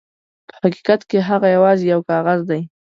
په حقیقت کې هغه یواځې یو کاغذ دی.